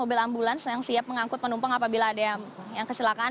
mobil ambulans yang siap mengangkut penumpang apabila ada yang kecelakaan